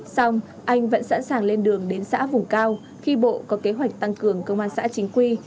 xong anh vẫn sẵn sàng lên đường đến xã vùng cao khi bộ có kế hoạch tăng cường công an xã chính quy